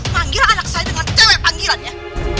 manggil anak saya dengan cewek panggilannya